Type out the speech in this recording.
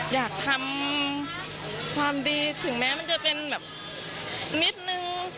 อยากทำความดีถึงแม้มันจะเป็นแบบนิดนึง